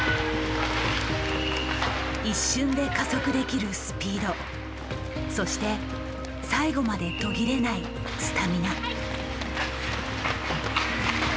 一瞬で加速できるスピードそして最後まで途切れないスタミナ。